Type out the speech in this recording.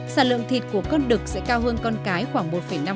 sản lượng thịt của con đực sẽ cao hơn con cái khoảng một năm